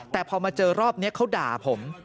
แต่พอมาเจอรอบนี้เขาด่าผม